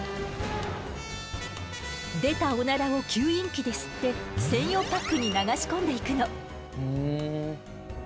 出たオナラを吸引器で吸って専用パックに流し込んでいくの。